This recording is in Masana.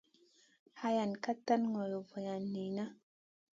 Hayan ka tan ŋolo vulan niyna.